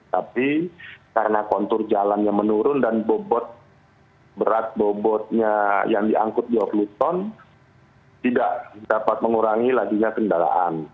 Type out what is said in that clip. tapi karena kontur jalannya menurun dan berat bobotnya yang diangkut dua puluh ton tidak dapat mengurangi lajunya kendaraan